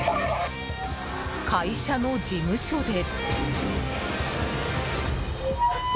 会社の事務所で。